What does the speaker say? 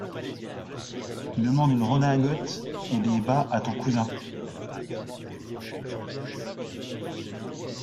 Demande une redingote et des bas à ton cousin!